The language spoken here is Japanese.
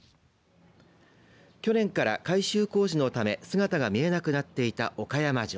去年から改修工事のため姿が見えなくなっていた岡山城。